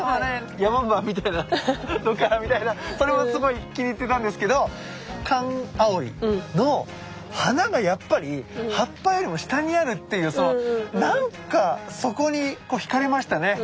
ヤマンバみたいなロッカーみたいなそれもすごい気に入ってたんですけどカンアオイの花がやっぱり葉っぱよりも下にあるっていうそのなんかそこに惹かれましたね。